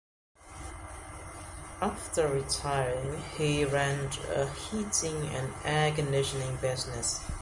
After retiring, he ran a heating and air conditioning business.